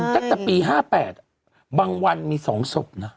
แต่อย่างปี๕๘บางวันมีสองศพนะ